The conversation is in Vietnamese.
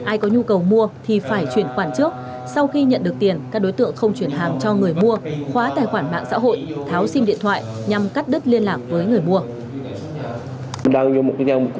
ai có nhu cầu mua thì phải chuyển khoản trước sau khi nhận được tiền các đối tượng không chuyển hàng cho người mua khóa tài khoản mạng xã hội tháo sim điện thoại nhằm cắt đứt liên lạc với người mua